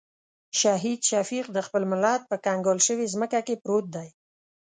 شهید شفیق د خپل ملت په کنګال شوې ځمکه کې پروت دی.